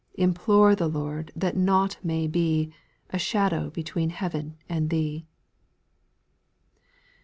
Implore the Lord that nought may be, A shadow between heaven and thee.